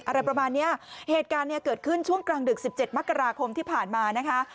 อะไรประมาณเนี้ยเหตุการณ์เนี่ยเกิดขึ้นช่วงกลางดึกสิบเจ็ดมกราคมที่ผ่านมานะคะ